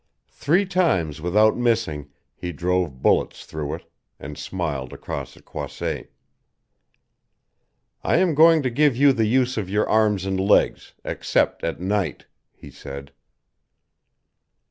Three times without missing he drove bullets through it, and smiled across at Croisset. "I am going to give you the use of your arms and legs, except at night," he said.